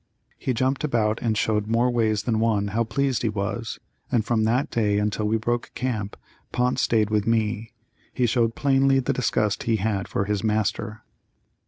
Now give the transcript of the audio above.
He jumped about and showed more ways than one how pleased he was, and from that day until we broke camp, Pont stayed with me. He showed plainly the disgust he had for his master.